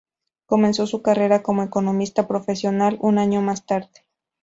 Comenzó su carrera como economista profesional un año más tarde.